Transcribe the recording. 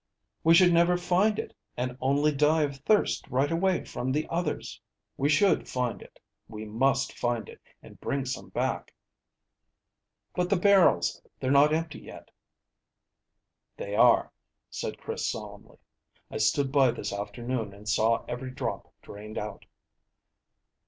"We should never find it, and only die of thirst right away from the others." "We should find it. We must find it, and bring some back." "But the barrels they're not empty yet." "They are," said Chris solemnly. "I stood by this afternoon, and saw every drop drained out."